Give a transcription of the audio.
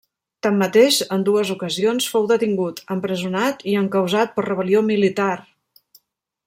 Tanmateix, en dues ocasions, fou detingut, empresonat i encausat per rebel·lió militar.